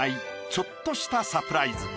ちょっとしたサプライズ。